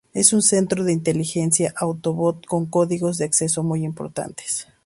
Es un centro de inteligencia Autobot, con códigos de acceso muy importantes.